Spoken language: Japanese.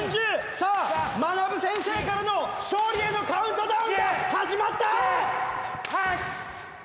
さあまなぶ先生からの勝利へのカウントダウンが始まった！